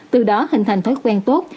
từ đó hình thành thói quen tốt